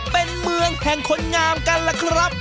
เป็นเมืองแห่งคนงามกันล่ะครับ